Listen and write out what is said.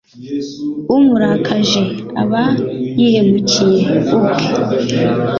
umurakaje aba yihemukiye ubwe